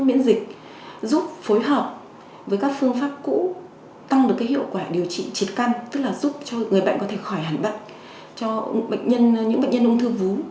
những thuốc miễn dịch những thuốc điều trị trúng đích sẽ cố định phát hiện cố định những tế bào ung thư vú